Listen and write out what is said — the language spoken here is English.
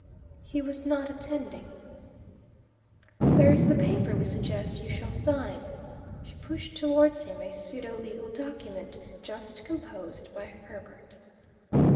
He was not attending. "There is the paper we suggest you shall sign." She pushed towards him a pseudo legal document, just composed by Herbert.